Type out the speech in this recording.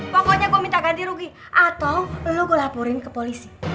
pokoknya gue minta ganti rugi atau lo gue laporin ke polisi